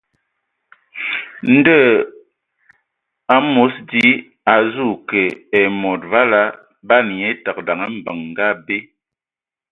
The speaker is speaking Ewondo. Ndɔ hm, amos di, a azu kə ai mod vala, ban nye təgə daŋ mbəŋ ngə abe.